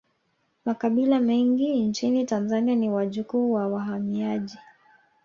Makabila mengi nchini tanzania ni wajukuu wa wahamiaji